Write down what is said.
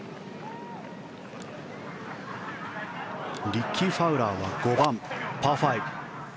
リッキー・ファウラーは５番、パー５。